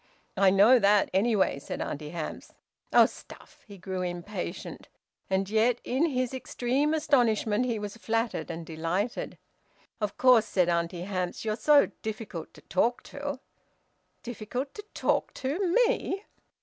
"I know that, anyway," said Auntie Hamps. "Oh! Stuff!" He grew impatient. And yet, in his extreme astonishment, he was flattered and delighted. "Of course," said Auntie Hamps, "you're so difficult to talk to " "Difficult to talk to! Me?"